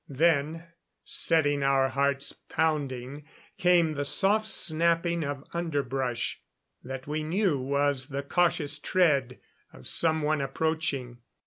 Then, setting our hearts pounding, came the soft snapping of underbrush that we knew was the cautious tread of some one approaching.